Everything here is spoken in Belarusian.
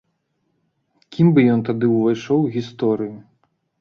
Кім бы ён тады ўвайшоў у гісторыю?